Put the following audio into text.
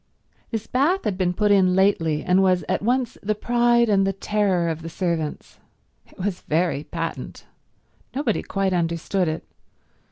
This bath had been put in lately, and was at once the pride and the terror of the servants. It was very patent. Nobody quite understood it.